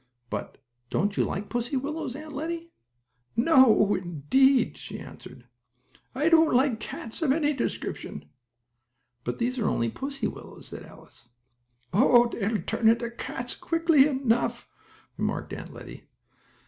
But don't you like pussy willows, Aunt Lettie?" "Oh, no indeed," she answered. "I don't like cats of any description." "But these are only pussy willows," said Alice. "Oh, they'll turn into cats quickly enough," remarked Aunt Lettie.